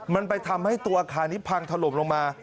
มันไปทำให้ตัวอาคารนี้พังถล่มลงมา